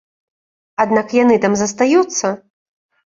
Аднак яны там застаюцца!